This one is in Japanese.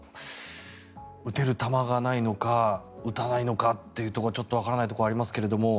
撃てる弾がないのか撃たないのかというのがちょっとわからないところがありますけども。